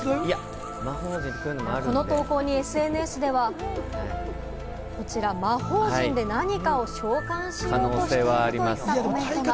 この投稿にＳＮＳでは、魔法陣で何かを召喚しようとしているといったコメントが。